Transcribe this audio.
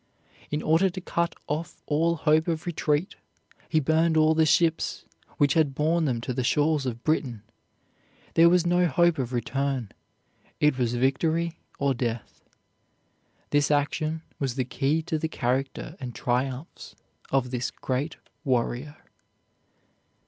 In order to cut off all hope of retreat, he burned all the ships which had borne them to the shores of Britain. There was no hope of return, it was victory or death. This action was the key to the character and triumphs of this great warrior.